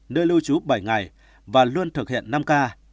nơi lưu trú bảy ngày và luôn thực hiện năm k